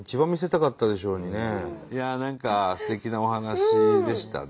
いやあ何かすてきなお話でしたね。